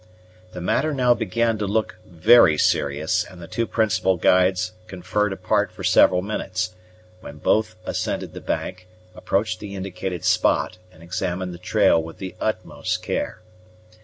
The matter now began to look very serious, and the two principal guides conferred apart for several minutes, when both ascended the bank, approached the indicated spot, and examined the trail with the utmost care.